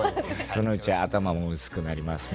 そのうち頭も薄くなりますので。